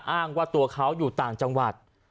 อ้างว่าตัวเขาอยู่ต่างจังหวัด